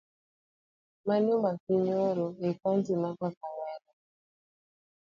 Mane omaki nyoro e kaunti ma kakamega